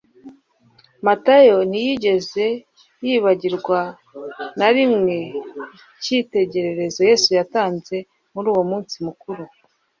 Matayo ntiyigeze yibagirwa na rimwe icyitegererezo Yesu yatanze muri uwo munsi mukuru.